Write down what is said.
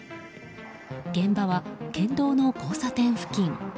現場は県道の交差点付近。